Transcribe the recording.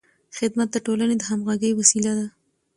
خدمت د ټولنې د همغږۍ وسیله ده.